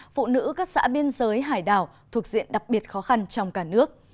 phụ nữ các xã biên giới hải đảo thuộc diện đặc biệt khó khăn trong cả nước